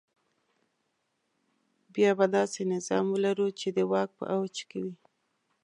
بیا به داسې نظام ولرو چې د واک په اوج کې وي.